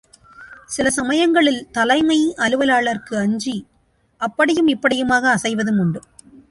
சில சமயங்களில், தலைமை அலுவலாளர்க்கு அஞ்சி அப்படியும் இப்படியுமாக அசைவதும் உண்டு.